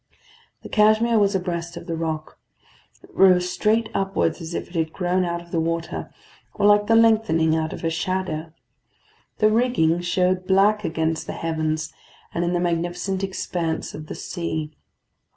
The Cashmere was abreast of the rock. It rose straight upwards as if it had grown out of the water; or like the lengthening out of a shadow. The rigging showed black against the heavens and in the magnificent expanse of the sea.